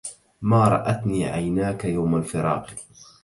ما رأتني عيناك يوم الفراق